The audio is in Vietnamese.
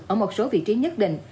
ở một số vị trí nhất định